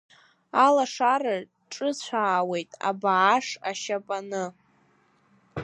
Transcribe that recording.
Алашара ҿыцәаауеит абааш ашьапаны.